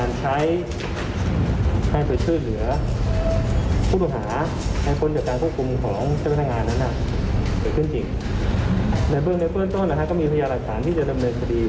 และผู้ช่วยดักการควบคุมของหัวใจการคุยกับพลังกลุ่ม